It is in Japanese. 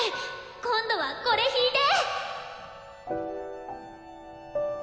今度はこれ弾いて！